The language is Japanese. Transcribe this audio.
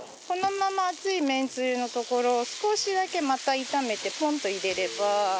このまま熱いめんつゆのところを少しだけまた炒めてポンと入れれば。